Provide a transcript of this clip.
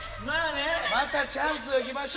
またチャンスが来ました。